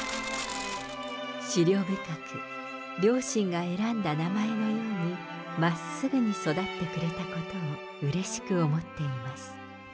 思慮深く、両親が選んだ名前のように、真っすぐに育ってくれたことをうれしく思っています。